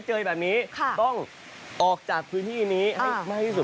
เจอแบบนี้ต้องออกจากพื้นที่นี้ให้มากที่สุด